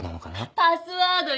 パスワードよ。